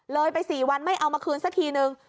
เลยไป๔วันไม่เอามาคืนสักทีนึง